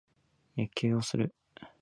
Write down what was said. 野球をする。